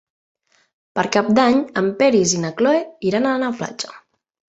Per Cap d'Any en Peris i na Cloè iran a la platja.